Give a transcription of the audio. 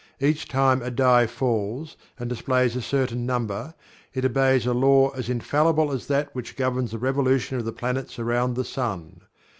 Each time a die falls, and displays a certain number, it obeys a law as infallible as that which governs the revolution of the planets around the sun.